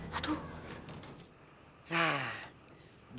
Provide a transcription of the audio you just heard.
ke atas deh